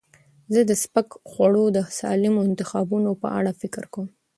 زه د سپک خواړو د سالمو انتخابونو په اړه فکر کوم.